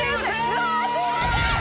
うわーっすいません！